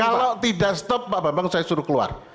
kalau tidak stop pak bambang saya suruh keluar